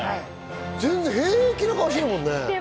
全然平気な顔してるもんね。